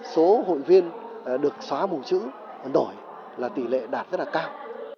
số hội viên được xóa bùng chữ đổi là tỷ lệ đạt rất là cao